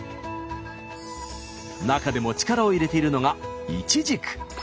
中でも力を入れているのがいちじく。